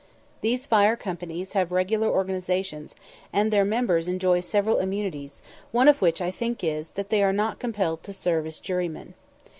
These fire companies have regular organizations, and their members enjoy several immunities, one of which I think is, that they are not compelled to serve as jurymen.